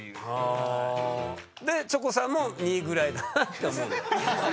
あ。でチョコさんも２ぐらいだなって思うんだ。